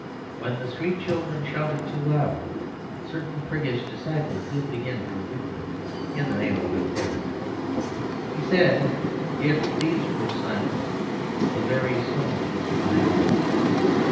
When the street children shouted too loud, certain priggish disciples did begin to rebuke them in the name of good taste. He said: "If these were silent the very stones would cry out."